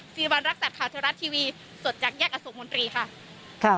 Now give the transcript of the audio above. สิริวัณรักษาขาวทะลัดทีวีส่วนจากแยกอโสกมนตรีค่ะ